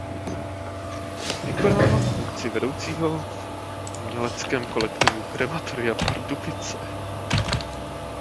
Vykonává funkci vedoucího v Uměleckém kolektivu Krematoria Pardubice.